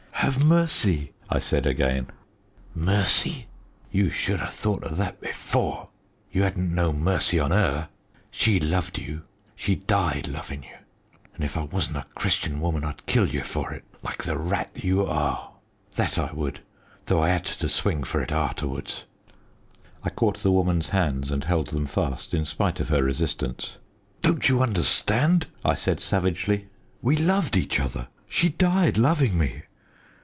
"Have mercy!" I said again. "Mercy? You should 'a thought o' that before. You 'adn't no mercy on 'er. She loved you she died lovin' you. An' if I wasn't a Christian woman, I'd kill you for it like the rat you are! That I would, though I 'ad to swing for it arterwards." I caught the woman's hands and held them fast, in spite of her resistance. "Don't you understand?" I said savagely. "We loved each other. She died loving me.